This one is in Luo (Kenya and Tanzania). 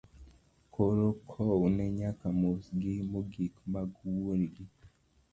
Koro kowne nyaka mos gi mogik mag wuon gi.